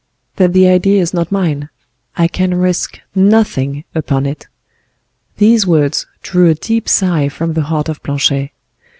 "That the idea is not mine. I can risk nothing upon it." These words drew a deep sigh from the heart of Planchet.